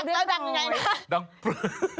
ชักตั้งยังไง